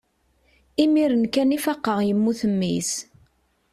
imir-n kan i faqeɣ yemmut mmi-s